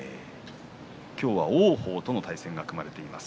今日は、王鵬との対戦が組まれています。